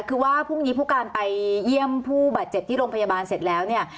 คือว่าพรุ่งนี้ผู้การไปเยี่ยมผู้บาดเจ็บที่โรงพยาบาลเสร็จแล้วเนี่ย